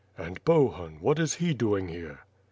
"And Bohun, what is he doing here?"